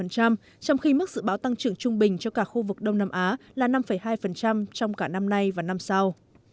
trong khi mức dự báo tăng trưởng trung bình cho cả khu vực đông nam á là năm hai trong cả năm nay và năm sau